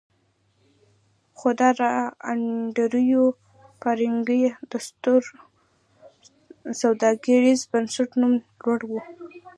خو د انډريو کارنګي د ستر سوداګريز بنسټ نوم لوړ و.